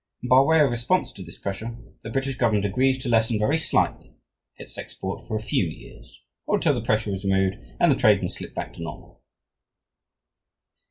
And by way of response to this pressure the British government agrees to lessen very slightly its export for a few years, or until the pressure is removed and the trade can slip back to normal!